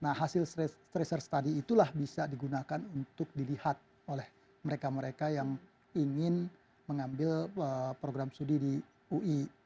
nah hasil tracer study itulah bisa digunakan untuk dilihat oleh mereka mereka yang ingin mengambil program studi di ui